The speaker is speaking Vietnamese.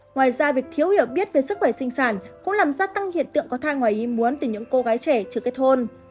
ngoài ra việc thiếu hiểu biết về sức khỏe sinh sản cũng làm gia tăng hiện tượng có thai ngoài ý muốn từ những cô gái trẻ chưa kết hôn